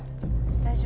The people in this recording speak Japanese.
大丈夫？